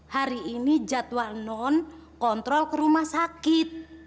hari ini jadwal non kontrol ke rumah sakit